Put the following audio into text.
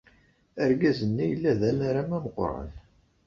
Argaz-nni yella d anaram ameqran.